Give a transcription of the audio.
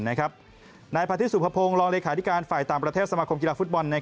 ในผ่านที่สุพพพงศ์รองเลขาที่การฝ่ายตามประเทศสมาคมกีฬาฟุตบอล